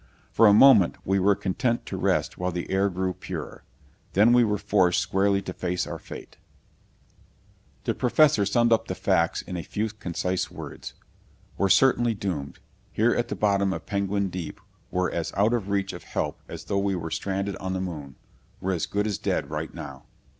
For a moment we were content to rest while the air grew purer. Then we were forced squarely to face our fate. The Professor summed up the facts in a few concise words. "We're certainly doomed! Here at the bottom of Penguin Deep we're as out of reach of help as though we were stranded on the moon. We're as good as dead right now."